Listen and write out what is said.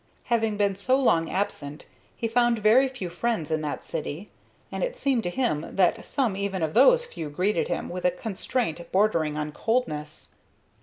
Having been so long absent, he found very few friends in that city, and it seemed to him that some even of those few greeted him with a constraint bordering on coldness.